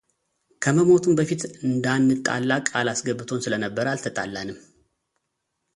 ከመሞቱም በፊት እንዳንጣላ ቃል አስገብቶን ስለነበረ አልተጣላንም፡፡